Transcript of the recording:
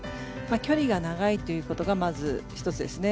距離が長いということがまず、１つですね。